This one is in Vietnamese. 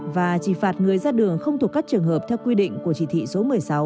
và chỉ phạt người ra đường không thuộc các trường hợp theo quy định của chỉ thị số một mươi sáu